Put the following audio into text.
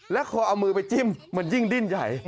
แล้วพอเอามือไปจิ้มมันยิ่งดิ้นใหญ่